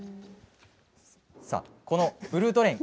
さあこのブルートレイン